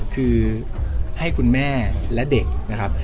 คือให้คุณแม่และเด็กนะครับ